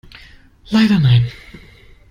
Leider nein.